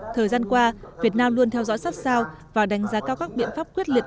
thời gian qua việt nam luôn theo dõi sát sao và đánh giá cao các biện pháp quyết liệt